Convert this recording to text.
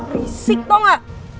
risik tau ga